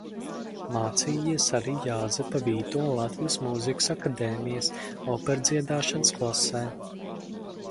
Mācījies arī Jāzepa Vītola Latvijas Mūzikas akadēmijas operdziedāšanas klasē.